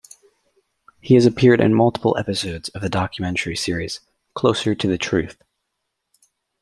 He has appeared in multiple episodes of the documentary series Closer to Truth.